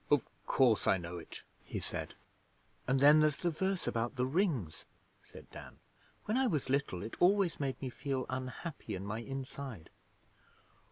'Of course I know it,' he said. 'And then there's the verse about the rings,' said Dan. 'When I was little it always made me feel unhappy in my inside.'